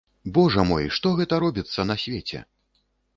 Божа мой, што гэта робіцца на свеце!